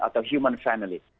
atau human family